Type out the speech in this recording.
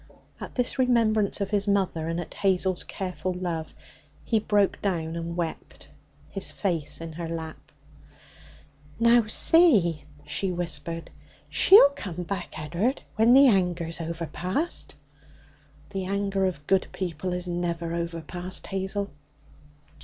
At this remembrance of his mother and at Hazel's careful love, he broke down and wept, his face in her lap. 'Now see!' she whispered. 'She'll come back, Ed'ard, when the anger's overpast.' 'The anger of good people is never overpast, Hazel.'